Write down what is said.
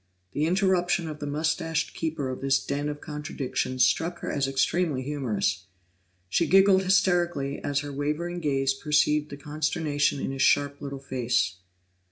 The interruption of the mustached keeper of this den of contradictions struck her as extremely humorous; she giggled hysterically as her wavering gaze perceived the consternation in his sharp little face.